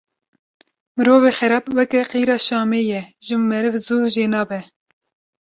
Mirovê xerab weka qîra Şamê ye ji meriv zû jê nabe